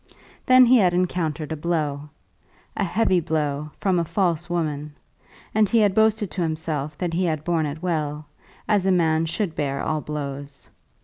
Then he had encountered a blow, a heavy blow from a false woman, and he had boasted to himself that he had borne it well, as a man should bear all blows.